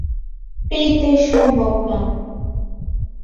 ফ্রিতে সম্ভব না।